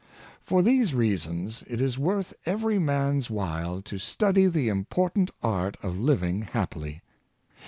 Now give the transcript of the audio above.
For these reasons, it is worth every man's while to study the important art of living happily.